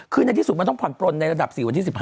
คือในที่สุดมันต้องผ่อนปลนในระดับ๔วันที่๑๕